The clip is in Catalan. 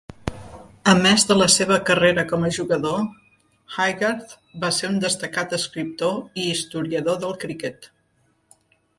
A més de la seva carrera com a jugador, Haygarth va ser un destacat escriptor i historiador del criquet.